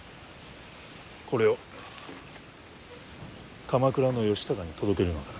これを鎌倉の義高に届けるのだ。